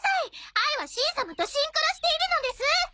あいはしん様とシンクロしているのです！